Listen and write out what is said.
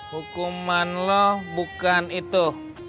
hukuman lo bukan itu